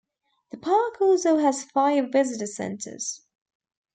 The park also has five visitor centres.